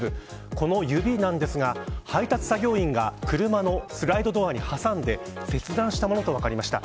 この指なんですが配達作業員が車のスライドドアに挟んで切断したものと分かりました。